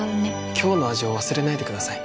今日の味を忘れないでください。